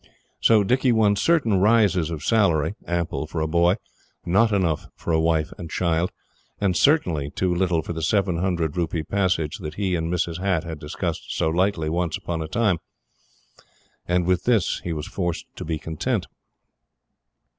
So Dicky won certain rises of salary ample for a boy not enough for a wife and child certainly too little for the seven hundred rupee passage that he and Mrs. Hatt had discussed so lightly once upon a time. And with this he was forced to be content.